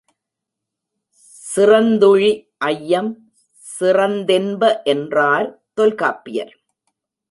சிறந்துழி ஐயம் சிறந்ததென்ப என்றார் தொல்காப்பியர்.